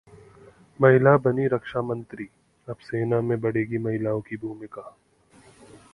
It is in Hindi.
महिला बनीं रक्षा मंत्री, अब सेना में बढ़ेगी महिलाओं की भूमिका